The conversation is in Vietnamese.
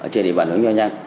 trên địa bàn hướng nha trang